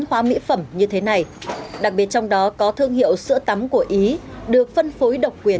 hóa mỹ phẩm như thế này đặc biệt trong đó có thương hiệu sữa tắm của ý được phân phối độc quyền